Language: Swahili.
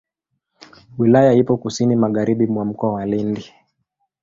Wilaya ipo kusini magharibi mwa Mkoa wa Lindi.